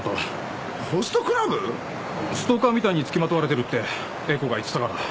ストーカーみたいにつきまとわれてるって英子が言ってたから。